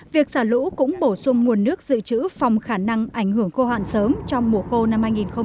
việc xả lũ cũng bổ sung nguồn nước dự trữ phòng khả năng ảnh hưởng khô hạn sớm trong mùa khô năm hai nghìn hai mươi